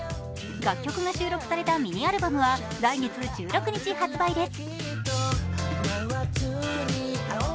楽曲が収録されたミニアルバムは来月１６日発売です。